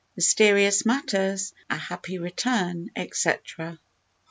MYSTERIOUS MATTERS A HAPPY RETURN, ETCETERA.